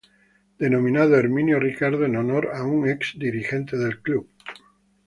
Denominado Herminio Ricardo en honor a un ex dirigente del club.